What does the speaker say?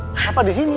papa di sini